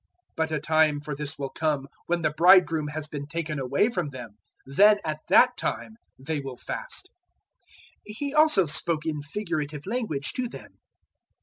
005:035 But a time for this will come, when the Bridegroom has been taken away from them: then, at that time, they will fast." 005:036 He also spoke in figurative language to them.